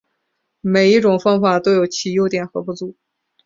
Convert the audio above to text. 每一种方法都有其优点和不足。